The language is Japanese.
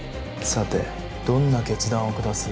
さてどんな決断を下す？